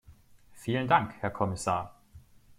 Vielen Dank, Herr Kommissar!